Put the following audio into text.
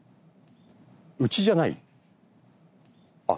うちじゃない？あっ。